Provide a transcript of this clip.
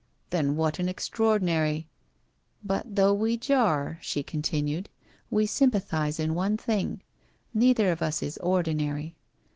' Then what an extraordinary '' But though we jar,' she continued, * we sympathize in one thing. Neither of us is ordinary.